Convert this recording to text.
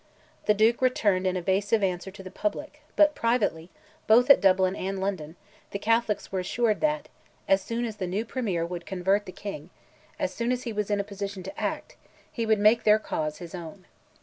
The Duke returned an evasive answer in public, but privately, both at Dublin and London, the Catholics were assured that, as soon as the new Premier could convert the King—as soon as he was in a position to act—he would make their cause his own.